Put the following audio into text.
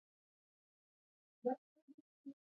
افغانستان د سیندونه کوربه دی.